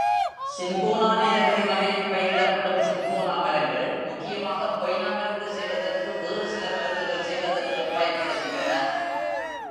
Cinchona Nilgiri மலையில் பயிரிடப்படும் cinchona மரங்கள் முக்கியமாகக் கொய்னா மருந்து செய்வதற்கும் வேறுசில மருந்துகள் செய்வதற்கும் பயன்படுகின்றன.